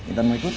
intan mau ikut